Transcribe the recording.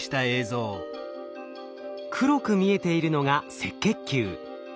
黒く見えているのが赤血球。